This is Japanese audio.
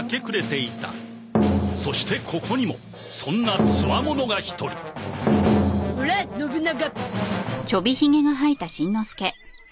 そしてここにもそんな強者が一人オラ信長。